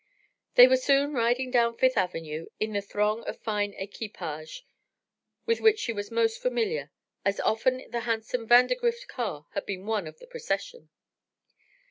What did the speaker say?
They were soon riding down Fifth Avenue in the throng of fine equipages with which she was most familiar, as often the handsome Vandergrift car had been one of the procession.